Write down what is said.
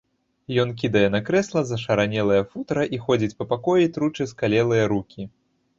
Ён кідае на крэсла зашаранелае футра і ходзіць па пакоі, тручы скалелыя рукі.